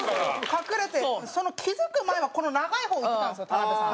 隠れて気付く前はこの長い方をいってたんですよ田辺さん。